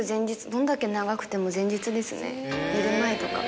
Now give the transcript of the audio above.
どんだけ長くても前日ですね寝る前とか。